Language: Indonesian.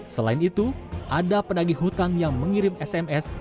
selain itu ada penagih hutang yang mengirim sms